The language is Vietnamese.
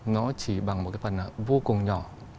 nó chỉ bằng một cái phần vô cùng nhỏ